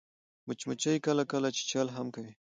مچمچۍ کله کله چیچل هم کوي